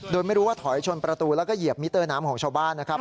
โดยไม่รู้ว่าถอยชนประตูแล้วก็เหยียบมิเตอร์น้ำของชาวบ้านนะครับ